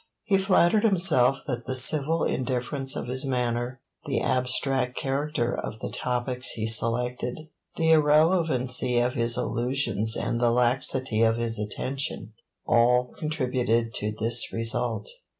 He flattered himself that the civil indifference of his manner, the abstract character of the topics he selected, the irrelevancy of his allusions and the laxity of his attention, all contributed to this result.